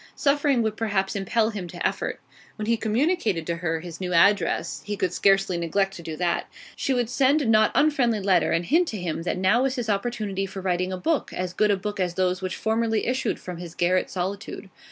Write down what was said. Suffering would perhaps impel him to effort. When he communicated to her his new address he could scarcely neglect to do that she would send a not unfriendly letter, and hint to him that now was his opportunity for writing a book, as good a book as those which formerly issued from his garret solitude.